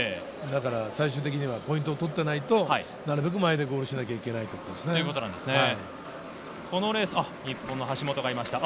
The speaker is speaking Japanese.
最終的にはポイントを取っていないとなるべく前でゴールしなきゃいけないということで日本の橋本がいました。